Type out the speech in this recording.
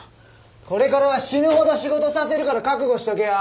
これからは死ぬほど仕事させるから覚悟しとけよ。